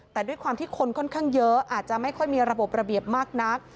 แต่ด้วยความที่คนค่อนข้างเยอะอาจจะไม่ค่อยมีระบบระเบียบมากนัก